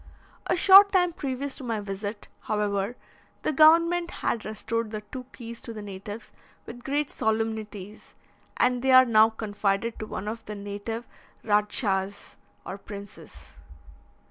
A short time previous to my visit, however, the government had restored the two keys to the natives with great solemnities, and they are now confided to one of the native Radschas, or princes.